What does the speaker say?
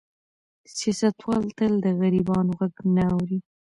سیاستوال تل د غریبانو غږ نه اوري.